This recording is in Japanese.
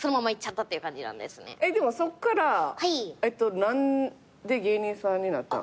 でもそっから何で芸人さんになったん？